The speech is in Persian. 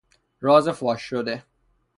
راز فاش شده